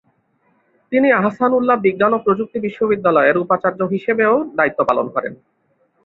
তিনি আহসানউল্লাহ বিজ্ঞান ও প্রযুক্তি বিশ্ববিদ্যালয়ের উপাচার্য হিসাবেও দায়িত্ব পালন করেন।